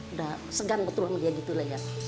udah segan betul dia gitu lah ya